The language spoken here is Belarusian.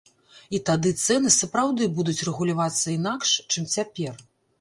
І тады цэны сапраўды будуць рэгулявацца інакш, чым цяпер.